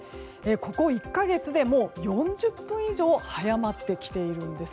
ここ１か月でもう４０分以上早まってきているんです。